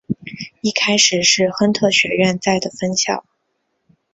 一开始是亨特学院在的分校。